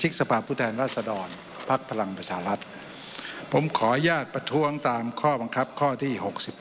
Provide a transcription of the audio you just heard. ขออนุญาตประทวงตามข้อบังคับข้อที่๖๙